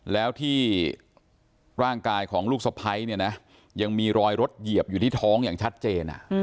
แล้วที่ร่างกายของลูกสะพ้ายเนี่ยนะยังมีรอยรถเหยียบอยู่ที่ท้องอย่างชัดเจน